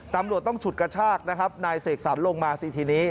ตำรวจต้องฉุดกระชากนะครับนายเสกสรรลงมาสิทีนี้